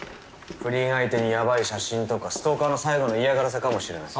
不倫相手にやばい写真とかストーカーの最後の嫌がらせかもしれない。